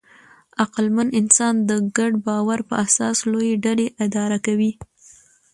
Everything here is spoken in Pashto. عقلمن انسان د ګډ باور په اساس لویې ډلې اداره کوي.